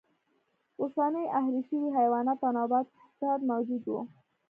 اوسني اهلي شوي حیوانات او نباتات موجود و.